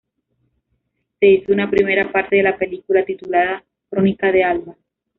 Se hizo una primera parte de la película, titulada "Crónica del alba.